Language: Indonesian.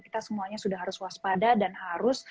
kita semuanya sudah harus waspada dan harus